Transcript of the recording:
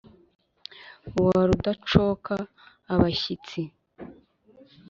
wa rudacoka abashyitsi